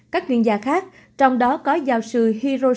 các chuyên gia khác trong đó có thể có thể đối xử với bệnh nhân trong trận đấu